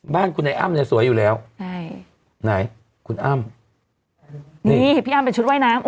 บ้านคุณไอ้อ้ำเนี่ยสวยอยู่แล้วใช่ไหนคุณอ้ำนี่พี่อ้ำเป็นชุดว่ายน้ำ